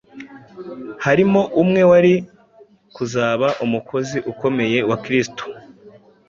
harimo umwe wari kuzaba umukozi ukomeye wa Kristo